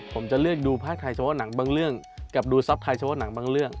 ผมจะเลือกดูภาคไทยเฉพาะหนังบางเรื่องกับดูทรัพย์ไทยเฉพาะหนังบางเรื่อง